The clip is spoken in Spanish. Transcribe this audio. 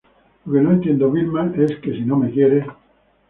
lo que no entiendo, Vilma, es que si no me quieres